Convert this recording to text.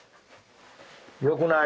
よくない？